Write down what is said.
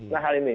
nah hal ini